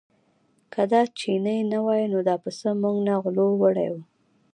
که دا چینی نه وای نو دا پسه موږ نه غلو وړی و.